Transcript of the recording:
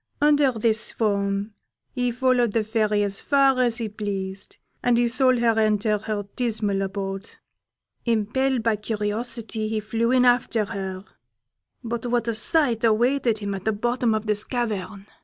Under this form he followed the Fairy as far as he pleased, and he saw her enter her dismal abode. Impelled by curiosity, he flew in after her; but what a sight awaited him at the bottom of this cavern!